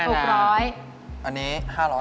อันนี้๕๕๕